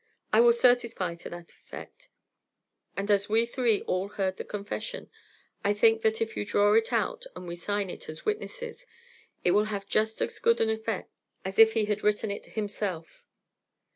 "I will certify to that effect, and as we three all heard the confession, I think that if you draw it out and we sign it as witnesses, it will have just as good an effect as if he had written it himself."